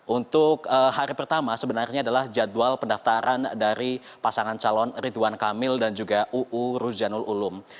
untuk hari pertama sebenarnya adalah jadwal pendaftaran dari pasangan calon ridwan kamil dan juga uu ruzanul ulum